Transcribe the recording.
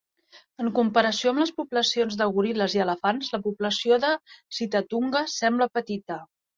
En comparació amb les poblacions de goril·les i elefants, la població de sitatungues sembla petita.